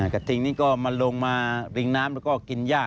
กระทิงนี่ก็มันลงมาริงน้ำแล้วก็กินย่า